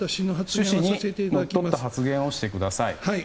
趣旨にのっとった発言をしてください。